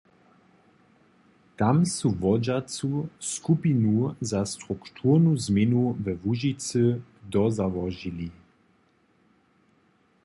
Tam su wodźacu skupinu za strukturnu změnu we Łužicy dozałožili.